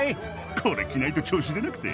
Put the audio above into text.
これ着ないと調子出なくて。